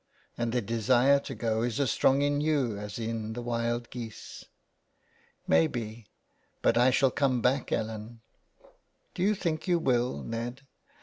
And the desire to go is as strong in you as in the wild geese.'' " Maybe ; but I shall come back, Ellen." " Do you think you will, Ned